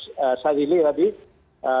seperti yang tadi dikatakan